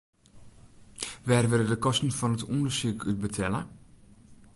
Wêr wurde de kosten fan it ûndersyk út betelle?